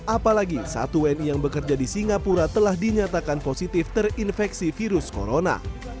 apalagi satu wni yang bekerja di singapura telah dinyatakan positif terinfeksi virus corona